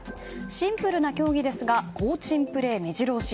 シンプルな競技ですが好珍プレー目白押し。